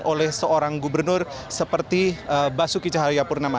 oleh seorang gubernur seperti basuki cahaya purnama